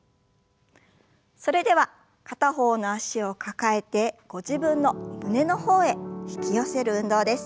それでは片方の脚を抱えてご自分の胸の方へ引き寄せる運動です。